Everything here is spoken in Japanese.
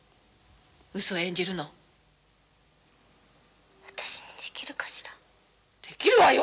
ウソ演じるの私にできるかしらできるわよ